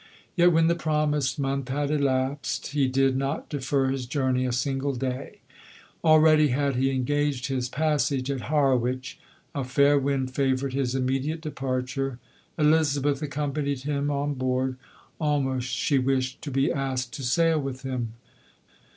Yet when the promised month had elapsed, he did not defer his journey a single day : already had he en gaged his passage at Harwich. A fair wind favoured his immediate departure. Elizabeth accompanied him on board, almost she wished to be asked to sail with him.